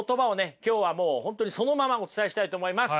今日はもう本当にそのままお伝えしたいと思います！